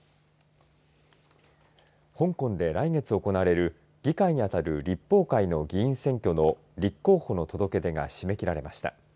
香港で来月行われる議会にあたる立法会の議員選挙の立候補の届け出が締め切られました。